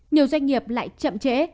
nhiều doanh nghiệp lại chậm trễ